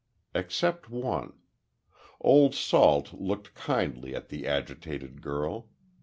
Except one. Old Salt looked kindly at the agitated girl.